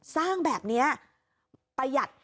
สร้างแบบนี้ประหยัด